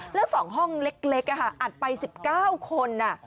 แล้ว๒ห้องเล็กอัดไป๑๙คน